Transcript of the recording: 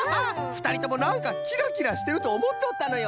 ふたりともなんかキラキラしてるとおもっとったのよ！